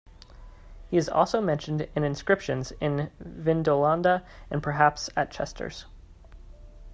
He is also mentioned in inscriptions in Vindolanda and perhaps at Chesters.